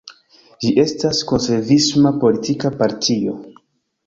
Ĝi estas konservisma politika partio.